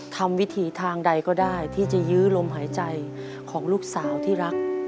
วิถีทางใดก็ได้ที่จะยื้อลมหายใจของลูกสาวที่รัก